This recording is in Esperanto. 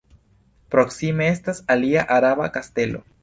Proksime estas alia araba kastelo.